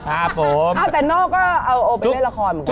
อ้าวแต่นอกก็เอาโอไปเล่นละครเหมือนกัน